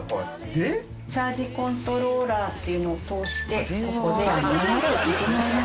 チャージコントローラーっていうのを通してここで流れを整えます。